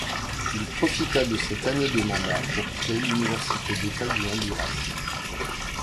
Il profita de cette année de mandat pour créer l’université d’état du Honduras.